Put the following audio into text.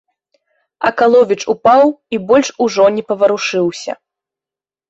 Акаловіч упаў і больш ужо не паварушыўся.